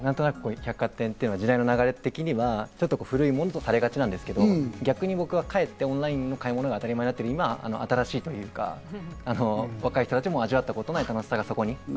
百貨店というのは時代の流れ的には古いものとされがちですけど、逆に僕はかえって本来の買い物が当たり前になっている今、新しいというか若い人たちも味わったことない楽しさがそこに。